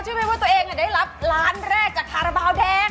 ชื่อเป็นว่าตัวเองได้รับร้านแรกกับทาราบาลแดง